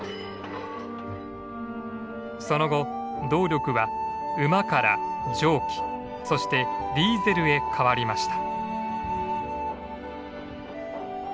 その後動力は馬から蒸気そしてディーゼルへ変わりました。